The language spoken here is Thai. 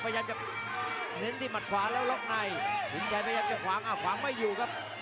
พยายามจะเน้นที่หมัดขวาแล้วล็อกในสินชัยพยายามจะขวางอ้าวขวางไม่อยู่ครับ